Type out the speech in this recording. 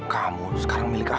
kamu sekarang milik aku ya